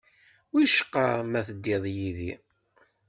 Wicqa ma teddiḍ yid-i?